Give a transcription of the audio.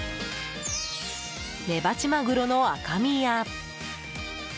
メバチマグロの赤身や。